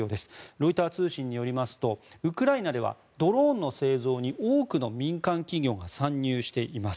ロイター通信によりますとウクライナではドローンの製造に多くの民間企業が参入しています。